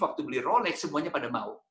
waktu beli role semuanya pada mau